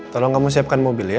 tolong kamu siapkan mobil ya